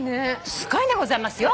すごいんでございますよ。